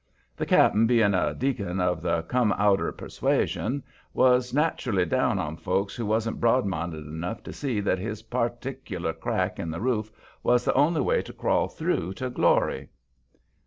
The cap'n, bein' a deacon of the Come Outer persuasion, was naturally down on folks who wasn't broad minded enough to see that his partic'lar crack in the roof was the only way to crawl through to glory.